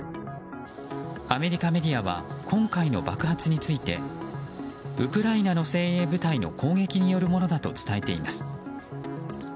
アメリカメディアは今回の爆発についてウクライナの精鋭部隊の攻撃によるものだと伝えています。